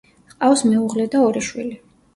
ჰყავს მეუღლე და ორი შვილი.